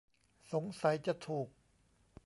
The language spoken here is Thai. สงสัยจะถูก